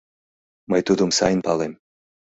— Мый тудым сайын палем.